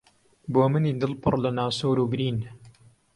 بۆ منی دڵ پڕ لە ناسۆر و برین